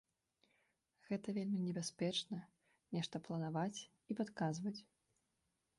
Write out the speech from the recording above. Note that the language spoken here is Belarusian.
Гэта вельмі небяспечна нешта планаваць і падказваць.